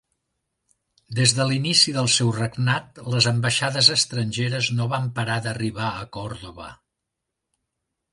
Des de l'inici del seu regnat, les ambaixades estrangeres no van parar d'arribar a Còrdova.